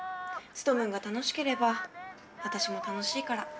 ツトムンが楽しければ私も楽しいから。